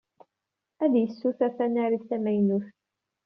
Ad yessuter tanarit tamaynut.